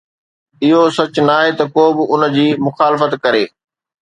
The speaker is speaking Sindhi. اهو سچ ناهي ته ڪو به ان جي مخالفت ڪري.